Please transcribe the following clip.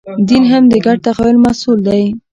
دین هم د ګډ تخیل محصول دی.